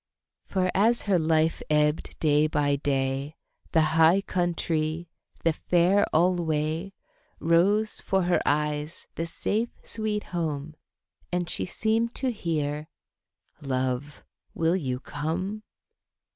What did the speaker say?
For as her life ebbed day by day, The High Countrie, the Fair alway, Rose 'fore her eyes, the safe, sweet home, And she seemed to hear, "Love, will you come?"